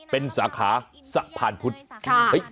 เป็นสาขาสะพานพุทธ